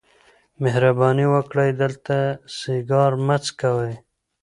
مهرباني وکړئ دلته سیګار مه څکوئ.